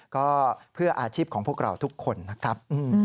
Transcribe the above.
ก็เพื่ออาชีพของพวกเราทุกคนนะครับ